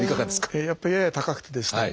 やっぱりやや高くてですね